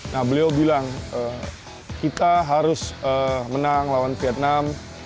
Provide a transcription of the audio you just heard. nah beliau bilang kita harus menang lawan vietnam